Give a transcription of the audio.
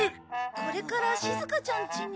「これからしずかちゃんちに」